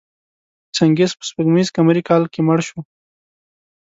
چنګیز په سپوږمیز قمري کال کې مړ شو.